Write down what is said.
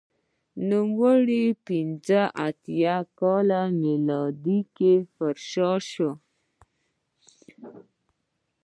نوموړی په پنځه اتیا میلادي کال کې پرشا شو